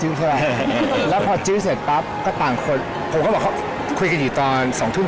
หรือมีอะไรที่มันทำให้ดีขึ้น